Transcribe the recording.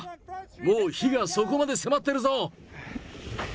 もう火がそこまで迫ってるぞ。